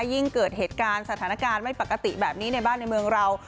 ยิ่งเกิดเหตุการณ์สถานการณ์ไม่ปกติแบบนี้ในบ้านในเมืองเรา